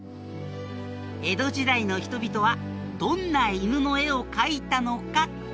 江戸時代の人々はどんな犬の絵を描いたのか？